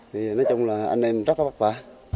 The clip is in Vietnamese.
thì nói chung là anh em rất là vất vả